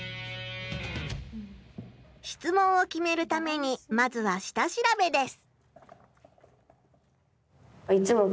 質問を決めるためにまずは下調べです。